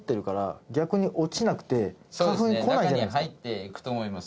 中に入っていくと思います